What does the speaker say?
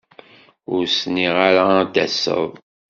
Ur s-nniɣ ara ad d-taseḍ.